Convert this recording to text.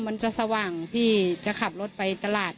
อันนี้พอเริ่มมันจะสว่างพี่จะขับรถไปตลาด